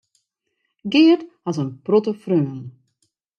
Geart hat in protte freonen.